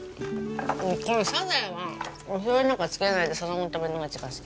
もうこのサザエはおしょうゆなんか付けないでそのまま食べるのが一番好き。